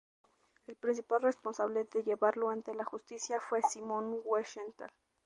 El principal responsable de llevarlo ante la justicia fue Simon Wiesenthal.